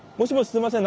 すいません。